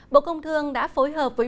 bộ công thương đã phối hợp với